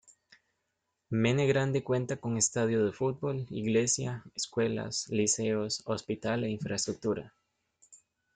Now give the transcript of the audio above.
Mene Grande cuenta con estadio de fútbol, iglesia, escuelas, liceos, hospital e infraestructura.